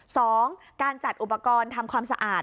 สองการจัดอุปกรณ์ทำความสะอาด